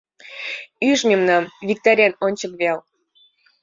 Ӱж мемнам, виктарен, ончык вел, —